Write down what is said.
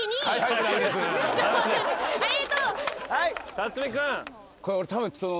辰巳君。